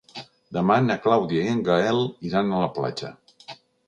Demà na Clàudia i en Gaël iran a la platja.